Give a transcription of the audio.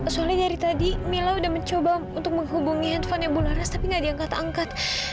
soalnya dari tadi mila udah mencoba untuk menghubungi handphonenya ibu laras tapi nggak diangkat angkat